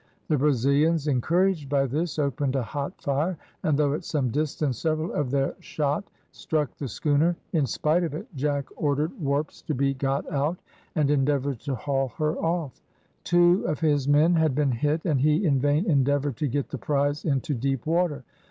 The Brazilians, encouraged by this, opened a hot fire, and though at some distance, several of their shot struck the schooner. In spite of it, Jack ordered warps to be got out, and endeavoured to haul her off. Two of his men had been hit and he in vain endeavoured to get the prize into deep water.